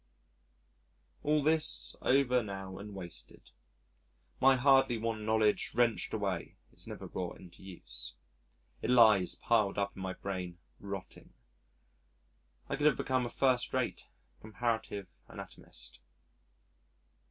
All this, over now and wasted. My hardly won knowledge wrenched away is never brought into use it lies piled up in my brain rotting. I could have become a first rate comparative anatomist.